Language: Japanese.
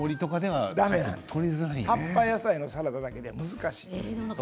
葉っぱ、野菜のサラダだけでは難しいんです。